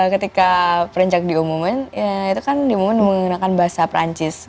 ketika prenjak diumuman ya itu kan diumuman menggunakan bahasa perancis